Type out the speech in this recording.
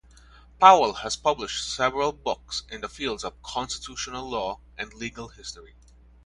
Powell has published several books in the fields of constitutional law and legal history.